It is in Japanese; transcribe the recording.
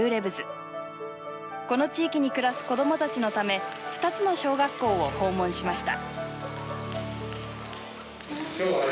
この地域に暮らす子どもたちのため２つの小学校を訪問しました。